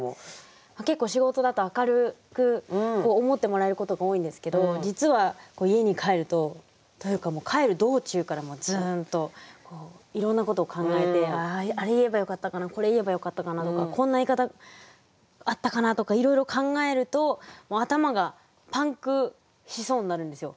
結構仕事だと明るく思ってもらえることが多いんですけど実は家に帰るとというか帰る道中からずんといろんなことを考えて「あれ言えばよかったかなこれ言えばよかったかな」とか「こんな言い方あったかな」とかいろいろ考えると頭がパンクしそうになるんですよ。